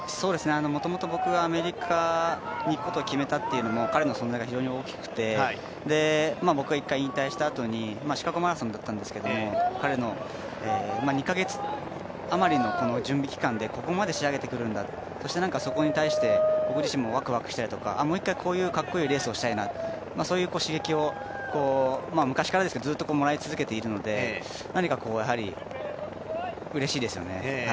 もともと、僕アメリカに行くことを決めたっていうのも彼の存在が非常に大きくて僕が１回引退をしたあとにシカゴマラソンだったんですけど彼の２カ月あまりの準備期間でここまで仕上げてくるんだ、そして、そこに対して僕自身もわくわくしたりとかもう一回、こういうかっこいいレースをしたいなとそういう刺激を、昔からずっともらい続けているので何かやはり、うれしいですよね。